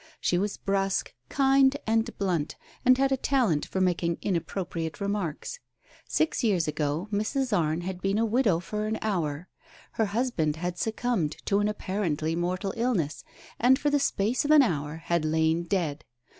She was brusque, kind, and blunt, and had a talent for making inappropriate remarks. Six years ago Mrs. Arne had been a widow for an hour ! Her husband had succumbed to an apparently mortal illness, and for the space of an hour had lain dead.